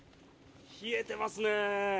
冷えてますね。